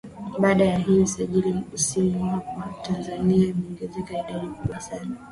baada ya hii kusajili simu hapa tanzania kumeongeza idadi kubwa sana